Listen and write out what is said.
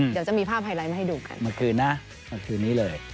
เดี๋ยวจะมีภาพไฮไลท์มาให้ดูกัน